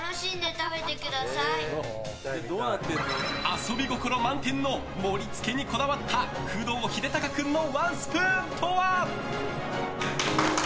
遊び心満点の盛り付けにこだわった工藤秀鷹君のワンスプーンとは？